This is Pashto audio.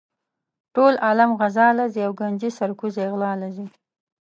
ټول عالم غزا لہ ځی او ګنجي سر کوزے غلا لہ ځی